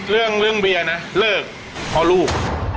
เรื่องเรื่องเบียร์นะเลิกเพราะลูก